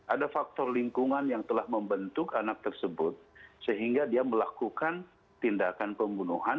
ada faktor lingkungan yang telah membentuk anak tersebut sehingga dia melakukan tindakan pembunuhan